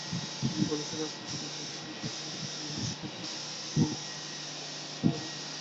তিনি বলেছেন, রাজনীতিবিদদের প্রতি মানুষকে বীতশ্রদ্ধ করতেই হিংসাত্মক কার্যকলাপ চালানো হচ্ছে।